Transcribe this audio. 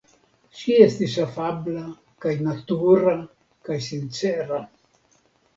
Ŝi estis afabla kaj natura kaj sincera.